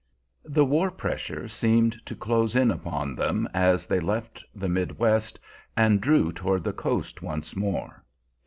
The war pressure seemed to close in upon them as they left the mid West and drew toward the coast once more.